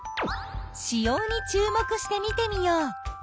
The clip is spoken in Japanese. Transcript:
子葉に注目して見てみよう。